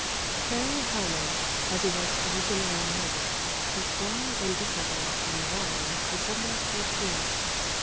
Harry Heine, as he was originally named, was born in Düsseldorf on the Rhine, December 13th, 1799.